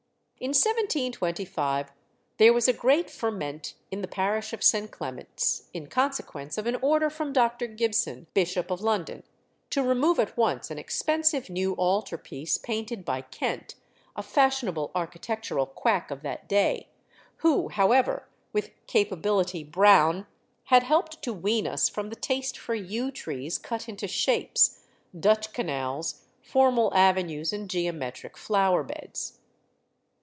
In 1725 there was a great ferment in the parish of St. Clement's, in consequence of an order from Dr. Gibson, Bishop of London, to remove at once an expensive new altar piece painted by Kent, a fashionable architectural quack of that day; who, however, with "Capability Brown," had helped to wean us from the taste for yew trees cut into shapes, Dutch canals, formal avenues, and geometric flower beds.